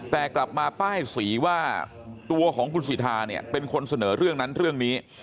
แต่กลับมาป้ายสีว่าตัวของคุณสิทธาเนี่ยเป็นคนเสนอเรื่องนั้นเรื่องนี้